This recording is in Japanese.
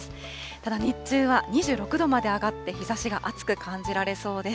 ただ、日中は２６度まで上がって、日ざしが暑く感じられそうです。